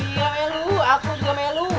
dia melu aku juga melu